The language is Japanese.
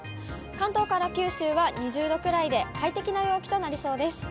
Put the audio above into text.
関東から九州は２０度くらいで、快適な陽気となりそうです。